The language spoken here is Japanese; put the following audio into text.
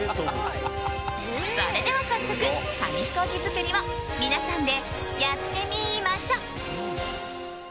それでは早速、紙飛行機作りを皆さんでやってみましょう！